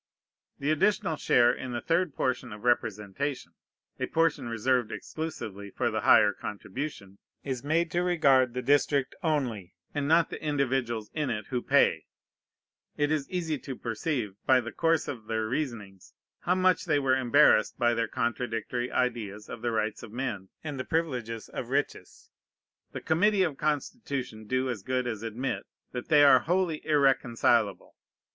The additional share in the third portion of representation (a portion reserved exclusively for the higher contribution) is made to regard the district only, and not the individuals in it who pay. It is easy to perceive, by the course of their reasonings, how much they were embarrassed by their contradictory ideas of the rights of men and the privileges of riches. The Committee of Constitution do as good as admit that they are wholly irreconcilable.